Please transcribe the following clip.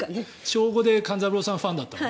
小５で勘三郎さんのファンだったの？